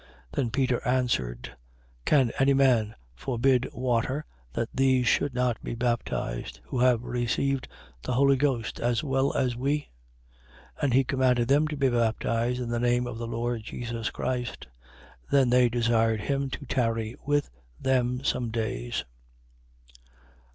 10:47. Then Peter answered: Can any man forbid water, that these should not be baptized, who have received the Holy Ghost, as well as we? 10:48. And he commanded them to be baptized in the name of the Lord Jesus Christ. Then they desired him to tarry with them some days.